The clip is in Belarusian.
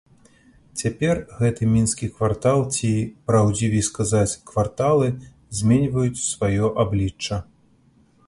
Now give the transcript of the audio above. Цяпер гэты мінскі квартал ці, праўдзівей сказаць, кварталы зменьваюць сваё аблічча.